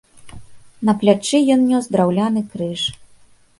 На плячы ён нёс драўляны крыж.